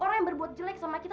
orang yang berbuat jelek sama kita